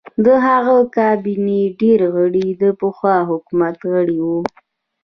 د هغه د کابینې ډېر غړي د پخوا حکومت غړي وو.